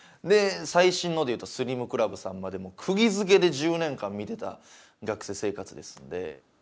で最新ので言うとスリムクラブさんまでもくぎづけで１０年間見てた学生生活ですので。